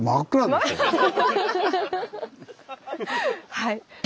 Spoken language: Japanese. はい。